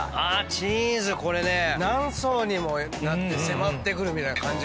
チーズこれね何層にもなって迫ってくるみたいな感じがして。